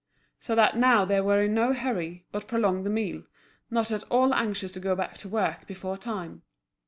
So that now they were in no hurry, but prolonged the meal, not at all anxious to go back to work before time.